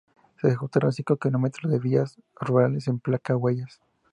Se ejecutaron cinco kilómetros de vías rurales, en placa huellas.